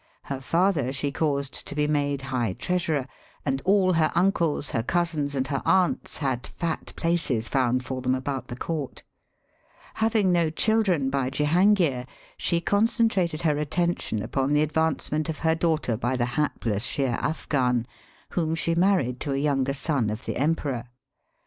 Her father she caused to be made high treasurer, and all her uncles, her cousins, and her aunts had fat places found for them about the court. Having no children by Jehangir, she concen Digitized by VjOOQIC " THE WONDER OF INDIA." 283 trated her attention upon the advancement of her daughter hy the hapless Sheer Afgan, whom she married to a younger son of the Emperor.